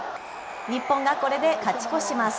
日本がこれで勝ち越します。